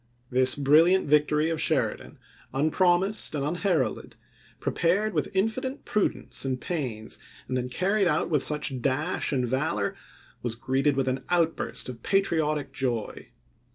This brilliant victory of Sheri dan, unpromised and unheralded, prepared with infinite prudence and pains, and then carried through with such dash and valor, was greeted with an outburst of patriotic joy.